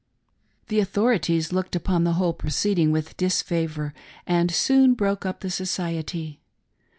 The au thorities looked upon the whole proceeding with disfavor, and soon broke up the society.